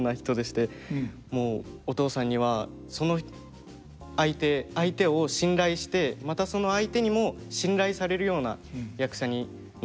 もうお父さんにはその相手相手を信頼してまたその相手にも信頼されるような役者になれと。